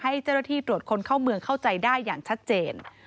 ให้เจ้าหน้าที่ตรวจคนเข้าเมืองเข้าใจได้อย่างชัดเจน